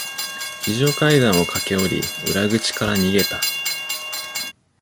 非常階段を駆け下り、裏口から逃げた。